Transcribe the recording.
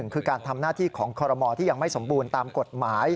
คือการทำหน้าที่ของคอรมอลที่ยังไม่สมบูรณ์ตามกฎหมาย